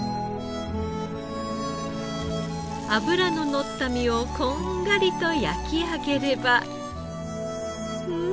脂ののった身をこんがりと焼き上げればうん！